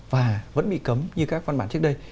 và vẫn bị cấm như các văn bản trước đây